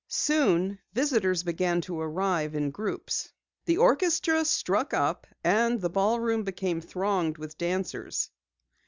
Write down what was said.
Soon visitors began to arrive in groups. The orchestra struck up and the ballroom became thronged with dancers.